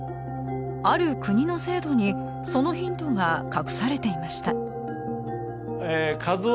ある国の制度にそのヒントが隠されていました。